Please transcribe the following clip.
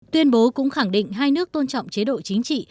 tuyên bố cũng khẳng định hai nước tôn trọng chế độ chính trị